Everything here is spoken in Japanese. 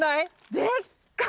でっかい。